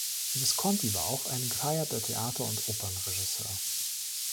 Visconti war auch ein gefeierter Theater- und Opernregisseur.